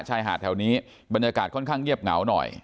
ชายหาดแถวนี้บรรยากาศค่อนข้างเงียบเหงาหน่อย